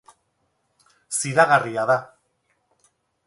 Ziragarria da.